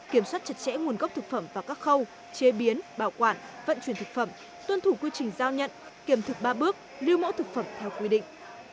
kiểm soát chặt chẽ nguồn gốc thực phẩm vào các khâu chế biến bảo quản vận chuyển thực phẩm tuân thủ quy trình giao nhận kiểm thực ba bước lưu mẫu thực phẩm theo quy định